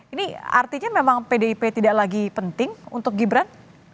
ini artinya memang pdip tidak lagi penting untuk gibran